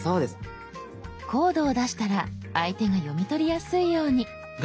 コードを出したら相手が読み取りやすいように。